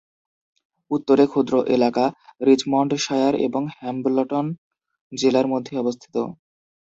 উত্তরে ক্ষুদ্র এলাকা রিচমন্ডশায়ার ও হ্যাম্বলটন জেলার মধ্যে অবস্থিত।